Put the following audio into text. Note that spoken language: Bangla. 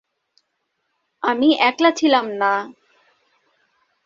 আমি একলা ছিলাম না।